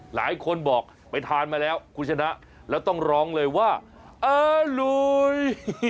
หลายคนบอกไปทานมาแล้วคุณชนะแล้วต้องร้องเลยว่าเออลุย